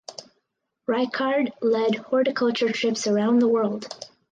Reichard led horticulture trips around the world.